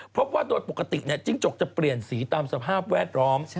เพราะว่าตัวปกติเนี่ยจิ้งจกจะเปลี่ยนสีตามสภาพแวดล้อม